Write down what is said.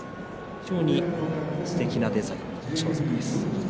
非常にすてきなデザインです。